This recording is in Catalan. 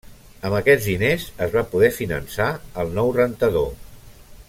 Amb aquests diners es va poder finançar el nou rentador.